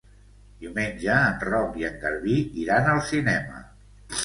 Diumenge en Roc i en Garbí iran al cinema.